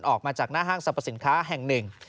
ออกมาจากหน้าห้างสรรพสินค้าแห่งหนึ่ง